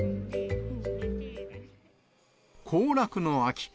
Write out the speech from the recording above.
行楽の秋。